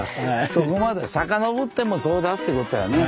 そこまでさかのぼってもそうだってことだね。